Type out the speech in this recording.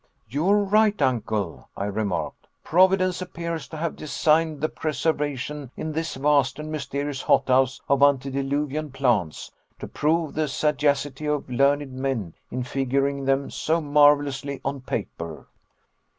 "You are right, Uncle," I remarked. "Providence appears to have designed the preservation in this vast and mysterious hothouse of antediluvian plants, to prove the sagacity of learned men in figuring them so marvelously on paper."